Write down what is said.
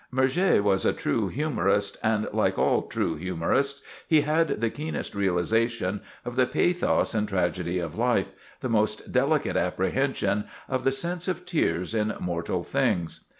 Murger was a true humorist, and, like all true humorists, he had the keenest realization of the pathos and tragedy of life, the most delicate apprehension of "the sense of tears in mortal things."